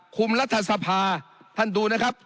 รัฐสภาท่านดูนะครับ